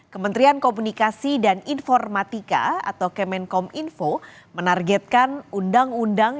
kementerian komunikasi dan informatika atau kemenkom info menargetkan undang undang